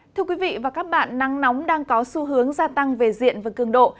thưa quý vị và các bạn nắng nóng đang có xu hướng gia tăng về diện và cường độ